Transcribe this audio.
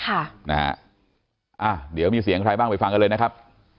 ค่ะนะฮะเดี๋ยวมีเสียงใครบ้างไปฟังกันเลยนะครับ